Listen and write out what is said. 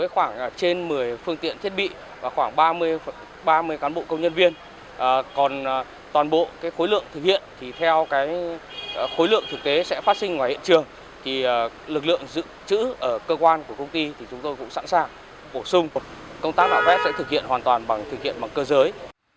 khối lượng thực tế sẽ phát sinh ngoài hiện trường lực lượng giữ chữ ở cơ quan của công ty chúng tôi cũng sẵn sàng bổ sung công tác nạo vét sẽ thực hiện hoàn toàn bằng cơ giới